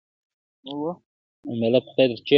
اوس نو وکئ قضاوت ګنا دچا ده-